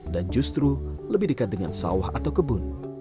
dan justru lebih dekat dengan sawah atau kebun